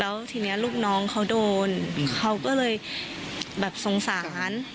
แล้วทีนี้ลูกน้องเขาโดนเขาก็เลยแบบสงสาร